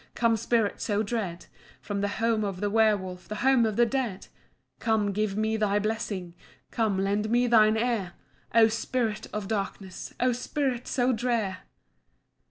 come, spirit so dread, From the home of the werwolf, the home of the dead. Come, give me thy blessing! come, lend me thine ear! Oh spirit of darkness! oh spirit so drear!